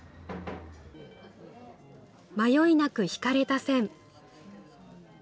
迷いなく引かれた線。